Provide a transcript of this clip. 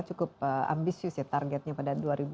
cukup ambisius ya targetnya pada dua ribu dua puluh